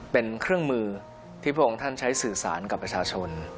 เป็นเครื่องมือที่พระองค์ท่านใช้สื่อสารกับประชาชน